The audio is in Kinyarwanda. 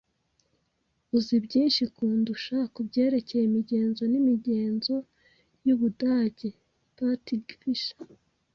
Uzi byinshi kundusha kubyerekeye imigenzo n'imigenzo y'Ubudage. (patgfisher)